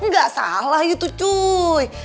gak salah itu cuy